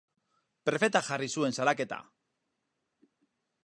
Prefetak jarri zuen salaketa.